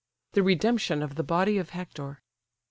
THE REDEMPTION OF THE BODY OF HECTOR.